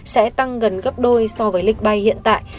sẽ tăng gần gấp đôi so với lịch bay hiện tại